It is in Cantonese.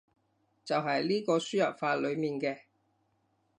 就係呢個輸入法裏面嘅